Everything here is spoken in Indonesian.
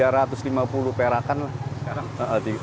tiga ratus lima puluh perakan lah